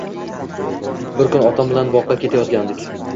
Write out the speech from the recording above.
Bir kun otam bilan boqqa ketayotgandik.